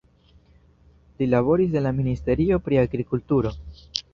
Li laboris en la Ministerio pri Agrikulturo.